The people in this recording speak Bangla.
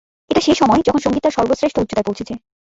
এটা সে-সময় যখন সংগীত তার সর্বশ্রেষ্ঠ উচ্চতায় পৌঁছেছে।